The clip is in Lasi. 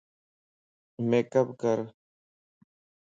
ميڪ اپ ڪر